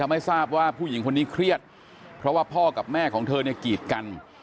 ไม่ทราบว่าผู้หญิงคนนี้เครียดเพราะว่าพ่อกับแม่ของเธอเนี่ยกีดกัน